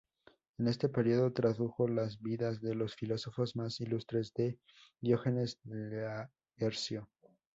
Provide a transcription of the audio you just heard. En este período tradujo las "Vidas de los filósofos más ilustres" de Diógenes Laercio.